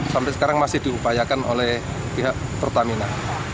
sampai sekarang masih diupayakan oleh pihak pertamina